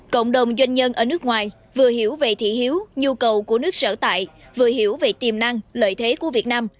cộng đồng doanh nhân ở nước ngoài vừa hiểu về thị hiếu nhu cầu của nước sở tại vừa hiểu về tiềm năng lợi thế của việt nam